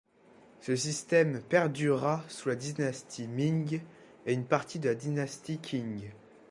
Ce système perdurera sous la dynastie Ming et une partie de la dynastie Qing.